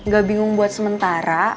gak bingung buat sementara